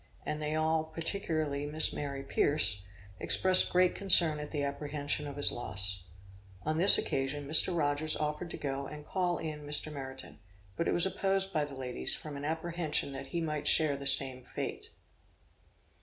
and they all, particularly Miss Mary Pierce, expressed great concern at the apprehension of his loss. On this occasion Mr. Rogers offered to go and call in Mr. Meriton, but it was opposed by the ladies, from an apprehension that he might share the same fate.